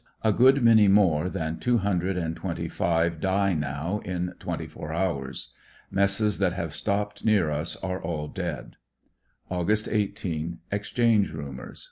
A good many more than two hun dred and twenty five die now in twenty four hours. Messes that have stopped near us are all dead, Aug. 18. — Exchange rumors